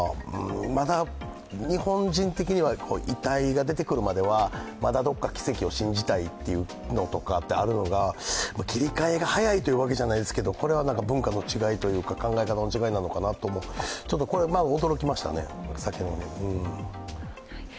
日本人的には遺体が出てくるまでは、まだどこか奇跡を信じたいというのとかってあるのが、切り替えが早いというわけじゃないですけれども文化の違いというか考え方の違いなのかなと、これは驚きましたね。